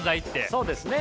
そうですね。